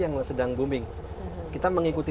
yang sedang booming kita mengikuti